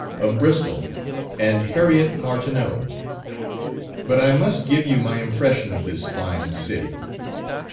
of Bristol, and Harriet Martineau. But I must give you my impression of this fine city.